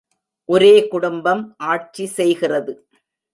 ஒரே குடும்பம் ஆட்சி செய்கிறது.